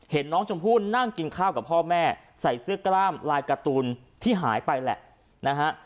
เห็นน้องชมพู่นั่งกินข้าวกับพ่อแม่ใส่เสื้อกล้ามลายการ์ตูนที่หายไปแหละนะฮะ